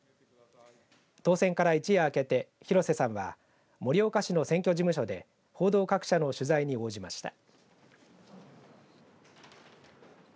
当選から一夜明けて広瀬さんは盛岡市の選挙事務所で報道各社の取材に応じました。